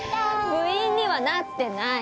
部員にはなってない！